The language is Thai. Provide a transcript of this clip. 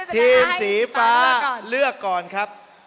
ทีมสีฟ้าเลือกก่อนครับ